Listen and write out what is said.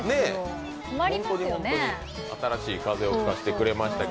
新しい風を吹かせてくれました。